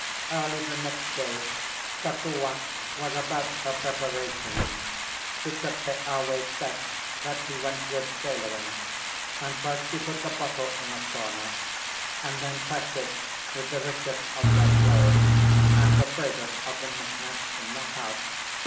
Early the next day Kokua was about her preparations. She took Keawe's chest that he went with sailoring; and first she put the bottle in a corner; and then packed it with the richest of their clothes and the bravest of the knick knacks in the house.